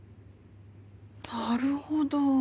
なるほど。